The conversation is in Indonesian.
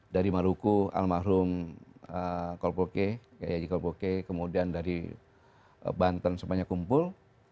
dari maruku al mahrum kolpoke yaya yai kolpoke kemudian dari banten semuanya kumpul